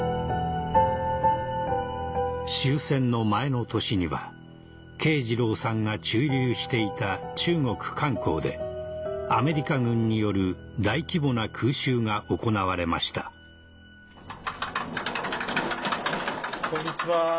終戦の前の年には慶次郎さんが駐留していた中国・漢口でアメリカ軍による大規模な空襲が行われましたこんにちは。